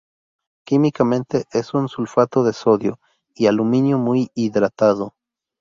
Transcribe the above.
Químicamente es un sulfato de sodio y aluminio muy hidratado.